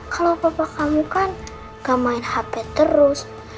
kalau papa kamu kan gak main hp terus